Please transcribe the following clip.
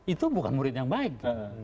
itu bukan murid yang baik